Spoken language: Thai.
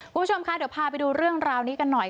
คุณผู้ชมคะเดี๋ยวพาไปดูเรื่องราวนี้กันหน่อย